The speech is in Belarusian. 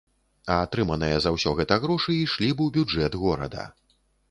А атрыманыя за ўсё гэта грошы ішлі б у бюджэт горада.